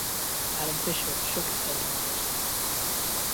Adam Fisher shook his head mildly.